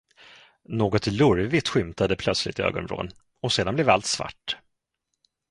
Något lurvigt skymtade plötsligt i ögonvrån, och sedan blev allt svart.